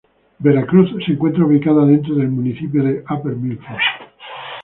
Vera Cruz se encuentra ubicada dentro del municipio de Upper Milford.